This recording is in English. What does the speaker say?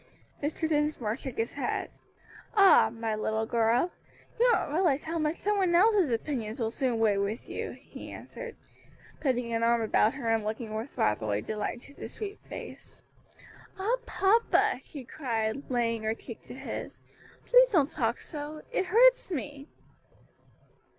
Mr. Dinsmore shook his head. "Ah! my little girl, you don't realize how much some one else's opinions will soon weigh with you," he answered, putting an arm about her and looking with fatherly delight into the sweet face. "Ah, papa!" she cried, laying her cheek to his, "please don't talk so; it hurts me."